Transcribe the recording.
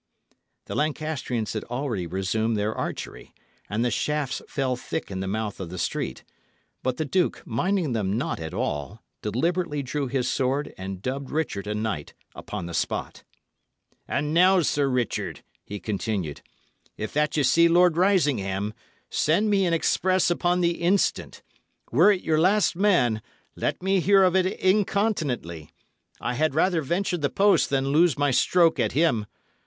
The Lancastrians had already resumed their archery, and the shafts fell thick in the mouth of the street; but the duke, minding them not at all, deliberately drew his sword and dubbed Richard a knight upon the spot. "And now, Sir Richard," he continued, "if that ye see Lord Risingham, send me an express upon the instant. Were it your last man, let me hear of it incontinently. I had rather venture the post than lose my stroke at him.